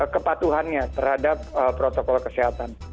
kepatuhannya terhadap protokol kesehatan